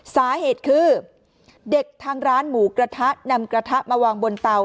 สาเหตุคือเด็กทางร้านหมูกระทะนำกระทะมาวางบนเตา